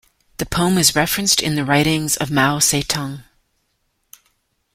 The poem is referenced in the writings of Mao Zedong.